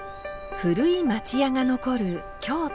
古い町家が残る京都。